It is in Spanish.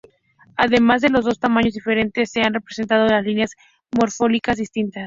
Además de los dos tamaños diferentes se han preservado dos líneas morfológicas distintas.